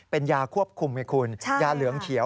เป็นยาควบคุมไงคุณยาเหลืองเขียว